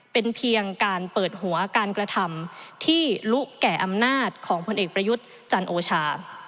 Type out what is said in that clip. เป็นเพียงการเปิดหัวการกระทำที่ลุแก่อำนาจของพลเอกประยุทธ์จันโอชา